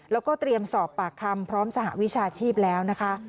แล้วก็เตรียมสอบปากคำพร้อมสหวิชาชีพแล้วนะคะ